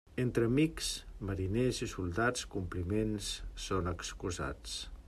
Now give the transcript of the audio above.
Entre amics, mariners i soldats, compliments són excusats.